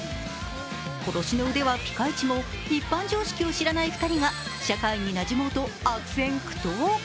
殺しの腕はピカイチも一般常識を知らない２人が社会になじもうと悪戦苦闘。